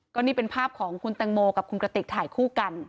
ก็นี่เป็นภาพของคุณแตงโมกับคุณกระติกถ่ายคู่กัน